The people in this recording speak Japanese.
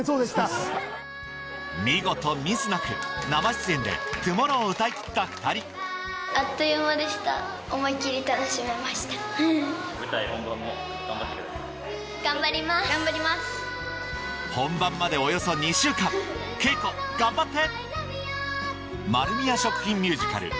見事ミスなく生出演で『トゥモロー』を歌いきった２人本番までおよそ２週間稽古頑張って！